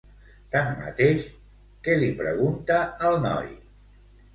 Tanmateix, què li pregunta el noi?